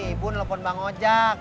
ibu nelfon bang ojek